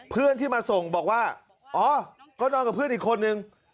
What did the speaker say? เพื่อนที่มาส่งบอกว่าอ๋อก็นอนกับเพื่อนอีกคนนึง